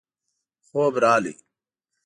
خوب راغی.